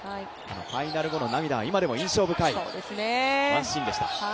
ファイナル後の涙が今でも印象深いワンシーンでした。